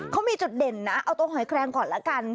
เขามีจุดเด่นนะเอาตรงหอยแคลงก่อนละกัน